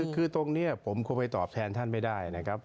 คือตรงนี้ผมคงไปตอบแทนท่านไม่ได้นะครับ